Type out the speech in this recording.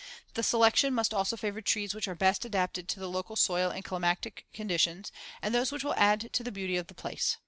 The selection must also favor trees which are best adapted to the local soil and climatic conditions and those which will add to the beauty of the place.